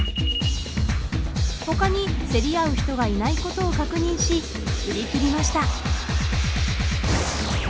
ほかに競り合う人がいないことを確認し売り切りました。